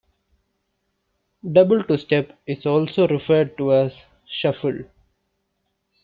Double two-step is also referred to as "shuffle".